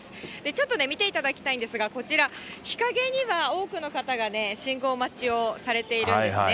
ちょっとね、見ていただきたいんですが、こちら、日陰には多くの方がね、信号待ちをされているんですね。